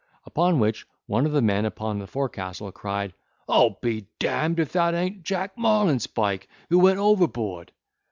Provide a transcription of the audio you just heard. Upon which one of the men upon the forecastle cried, "I'll be d—n'd if that an't Jack Marlinspike, who went overboard!"